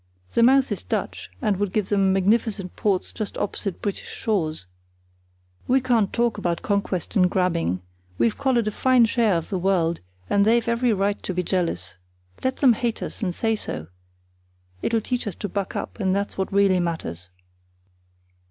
The mouth is Dutch, and would give them magnificent ports just opposite British shores. We can't talk about conquest and grabbing. We've collared a fine share of the world, and they've every right to be jealous. Let them hate us, and say so; it'll teach us to buck up; and that's what really matters."